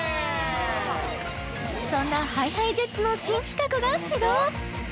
そんなＨｉＨｉＪｅｔｓの新企画が始動